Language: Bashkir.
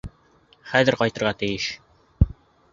Хәҙер ҡайтырға тейеш...